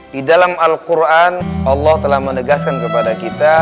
di dalam al quran allah telah menegaskan kepada kita